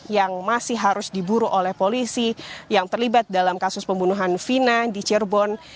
yang masih harus diburu oleh polisi yang terlibat dalam kasus pembunuhan vina di cirebon